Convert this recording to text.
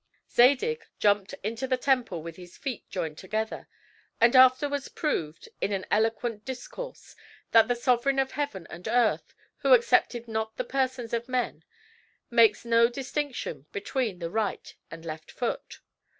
Zadig jumped into the temple with his feet joined together, and afterwards proved, in an eloquent discourse, that the Sovereign of heaven and earth, who accepted not the persons of men, makes no distinction between the right and left foot.